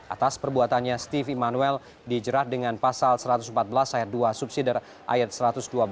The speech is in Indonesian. atas perbuatannya steve emanuel dijerat dengan pasal satu ratus empat belas ayat dua subsidi ayat satu ratus dua belas